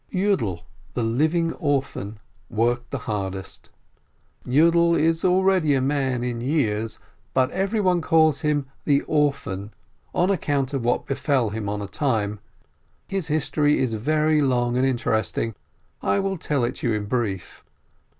Yiidel, the "living orphan," worked the hardest. Yiidel is already a man in years, but everyone calls him the "orphan" on account of what befell him on a time. His history is very long and interesting, I will tell it you in brief.